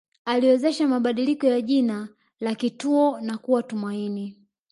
Aliwezesha mabadiliko ya jina la kituo na kuwa Tumaini